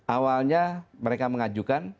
awalnya mereka mengajukan